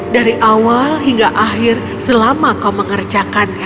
dari awal hingga akhir selama kau mengerjakannya